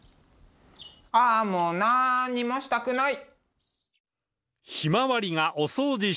ああもうなんにもしたくない！